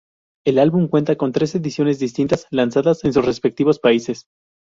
El álbum cuenta con tres ediciones distintas lanzadas en sus respectivos países.